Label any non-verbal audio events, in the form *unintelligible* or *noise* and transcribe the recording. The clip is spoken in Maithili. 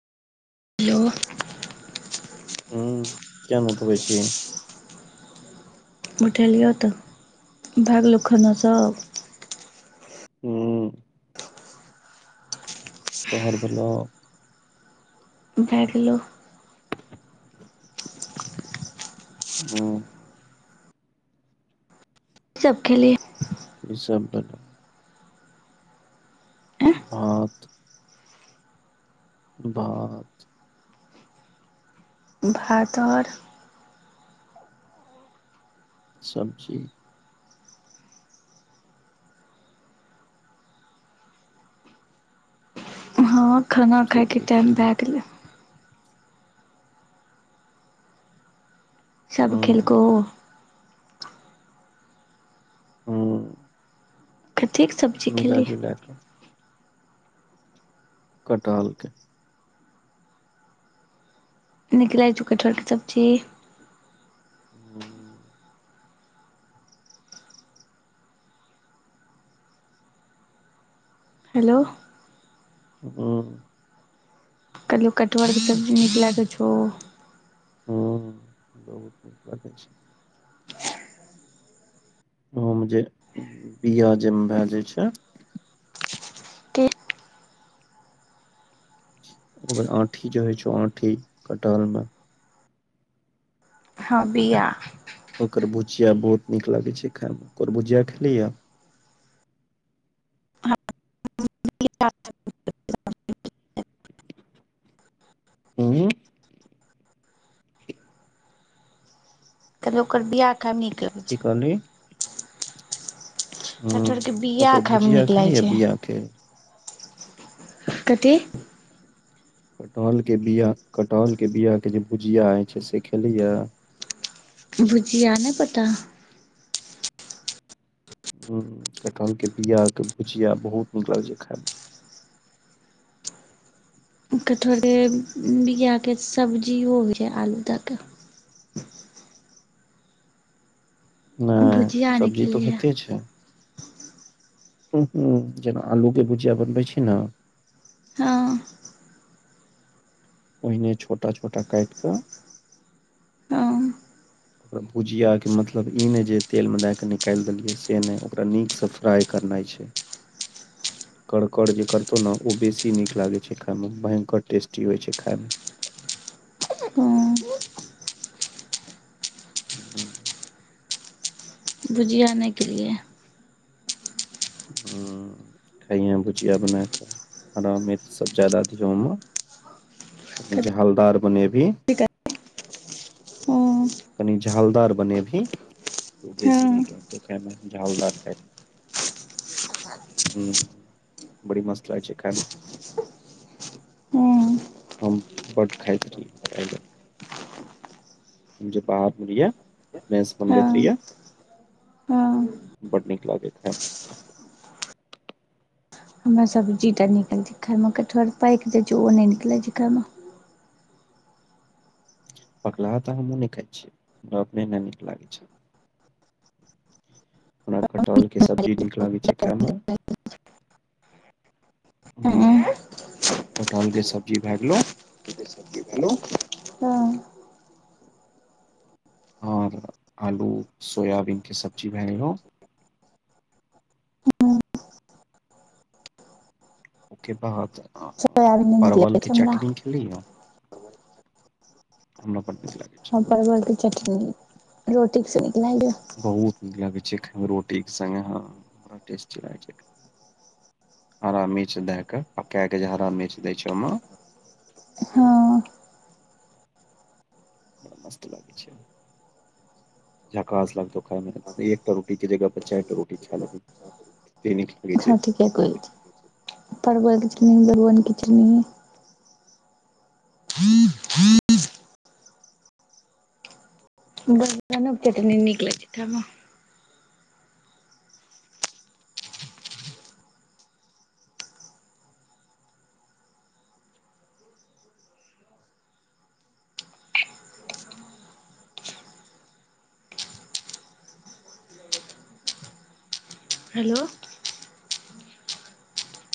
हेलो। हुं किया नै उठबै छी? उठेलियै तऽ भऽगेलै खाना सब। हुं तोहर भेलौ। भए गेलौ। हूं। की सब खेलही? ई सब तरका। आँय भात भात। भात और? सब्जी। हँ खाना तू खायके की टाइम खेलही भए गेलै। सब हुं खेलकौ? हुं थिईक सब्जी मिला खेलही? जुला कऽ कटहल के। निक लैइ छौ कटहल के सब्जी? हू हेलो। ह। कहलियौ कटहरके सब्जी नीक लागै छौ? ह्म बहुत नीक लागै छै। ओहोमे जे बिया जेन धअ दै छै। ओकर आठी जे होइ छै आठी कटहल मे। हँ बिया। ओकर भुजिया बहुत नीक लागै छै खायमे ओकर भुजिया खेलिया? *unintelligible* हूँ। काइल ओकर बियाह खाब नीक रहै। की कहली? हूं चठहरके बीआ ओकर खायमे भुजिया नीक लागै खेलियै छै। बिया के कथी? कटहल के बिआ-कटहलके बिआ के जे भुजिया हइ छै से खेलहीये? भुजिया नै पता। हूं, कटहल के बिआ क भुजिया बहुत नीक लागै छै खाय म। कठहर के बीआ के सब्जीयो होइ छै आलू दे के। नै, भुजिया नहि सब्जी तऽ खेलियै होइते छै। हुं-हूँ, जेना आलूके भुजिया बनबै छी ने? हँ ओहिने छोटा-छोटा कैट कऽ हँ ओकरा भुजिया के मतलब ई ने जे तेल में दे के निकाइल देलिये से नजर ओकरा नीक से फ्राई करनाइ छै। *unintelligible* कड़कड़ जे करतौ न ओ बेसी नीक लागै छै खाय म भयं्कर टेस्टी होइ छै खाय म। कों हूँ। भुजिया नै खेलियैए। हूँ। खइहें भुजिया बनाकऽ हरा मिर्च सब ज्यादा दिह ओ मॅ। तनी जहलदार बनेभी। हँ कनि झालदार बने भी। तऽ बेसी हँ नीक रहतौ तें न झालदार टैप क हुँ, बड़ी मस्त लागै छै खै म। हँ हम बड्ड खैत छी, ऐ बेर मुझे बाहर बुजैये, मैथ्स बनबैत हँ रैये। हँ। बड नीक लागैत हेत? हमरा सब्जी टा निकलै। छोखै में कटहर पैक ओ निकलै छै घरमे पकलाहा तऽ हमहूं नै खै छि, रा अपने ने नीक लागै छ। हमरा कटहल के सब्जी नीक लागे छै खाय मॅ। हूं, कटहल के सब्जी भे ग्लो। हलो, हँ। और आलू सोयाबीन के सब्जी भे गेलौ। ओ के भात आ सोयाबीन नहि परवल निकलै के छै हमरा चटनी लिही न, हम्रा बड नीक ले हँ परवल के चटनी, रोटीक संग दिलाए द। बहुत निक लागैत छै खै में रोटीक संगे हँ, बड़ा टेस्ट लागैत छैक। अरा मिर्च दे क पके के जे हरा मिर्च दय छ ओ मॅ हँ बड़ा मस्त लागै छै। झकास लागतौ खाय में, एकटा रोटी के जगह पर चैर टा रोटी खे लेबी। एहे नीख हँ ठीके कहै छी, परवल किच *inaudible* किच न *unintelligible* बर नब-नब चटनी निक लग चै खै मॅ। हेलो।